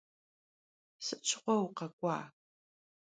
Sıt şığue vukhak'ua?